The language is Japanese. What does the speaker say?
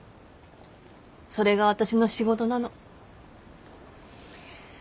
それが私の仕事なの。